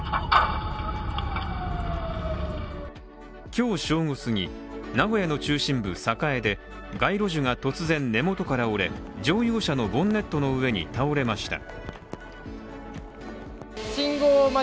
今日正午すぎ、名古屋の中心部栄で街路樹が突然根元から折れ、乗用車のボンネットの上に倒れました。